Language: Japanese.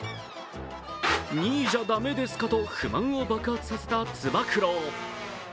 ２位じゃだめですか？と不満を爆発させた、つば九郎。